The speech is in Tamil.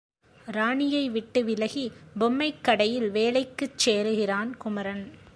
ராணியைவிட்டு விலகி, பொம்மைக் கடையில் வேலைக்குச் சேருகிறான் குமரன்.